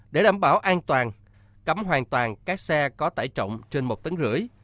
để đảm bảo an toàn cấm hoàn toàn các xe có tải trọng trên một tấn rưỡi